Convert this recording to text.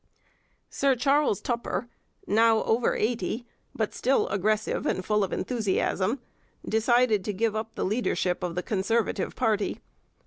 Sir Charles Tupper, now over eighty, but still aggressive and full of enthusiasm, decided to give up the leadership of the Conservative party.